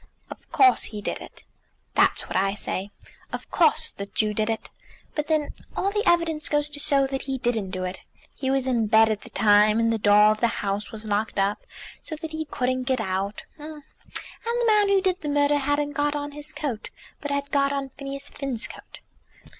"Of course he did it." "That's what I say. Of course the Jew did it. But then all the evidence goes to show that he didn't do it. He was in bed at the time; and the door of the house was locked up so that he couldn't get out; and the man who did the murder hadn't got on his coat, but had got on Phineas Finn's coat."